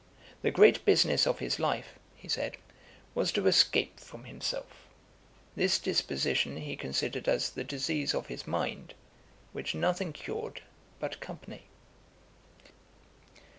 The great business of his life (he said) was to escape from himself; this disposition he considered as the disease of his mind, which nothing cured but company.